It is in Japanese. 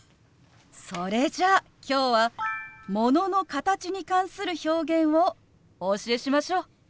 それじゃあ今日はものの形に関する表現をお教えしましょう！